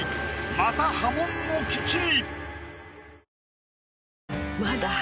また破門の危機